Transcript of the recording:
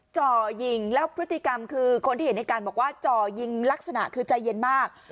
จ่อยิงแล้วพฤติกรรมคือคนที่เห็นในการบอกว่าจ่อยิงลักษณะคือใจเย็นมาก